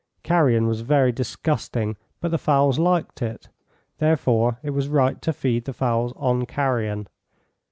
Carrion was very disgusting, but the fowls liked it; therefore it was right to feed the fowls on carrion.